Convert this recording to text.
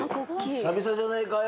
久々じゃないかよ。